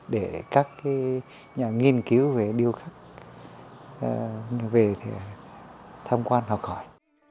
để các nhà nghiên cứu về điêu khắc về tham quan học hỏi